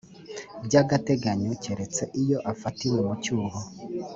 by agateganyo keretse iyo afatiwe mu cyuho